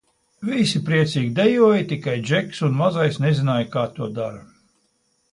Visi priecīgi dejoja, tikai Džeks un Mazais nezināja kā to dara.